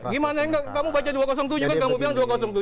gimana enggak kamu baca dua ratus tujuh kan kamu bilang dua ratus tujuh